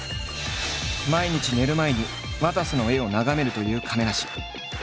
毎日寝る前にわたせの絵を眺めるという亀梨。